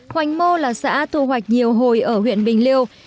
hoành mô là xã thu hoạch nhiều hồi ở huyện bình liêu